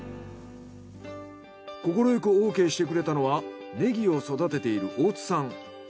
快くオーケーしてくれたのはネギを育てている大津さん。